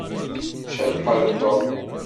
Cabḥa d Tom.